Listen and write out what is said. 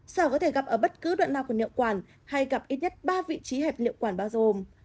sởi có thể gặp ở bất cứ đoạn nào của niệu quản hay gặp ít nhất ba vị trí hẹp niệu quản bao dồm